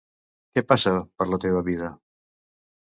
Què passa per la teva vida?